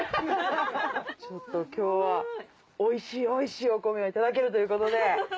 ちょっと今日はおいしいおいしいお米をいただけるということで。